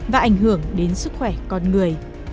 và ảnh hưởng đến sức khỏe con người